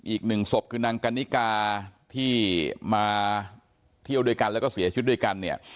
อีกหนึ่งศพคือนางกันนิกาที่มาเที่ยวด้วยกันแล้วก็เสียชีวิตด้วยกันเนี่ย